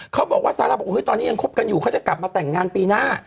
เขาบอกว่าซาร่าบอกตอนนี้ยังคบกันอยู่เขาจะกลับมาแต่งงานปีหน้า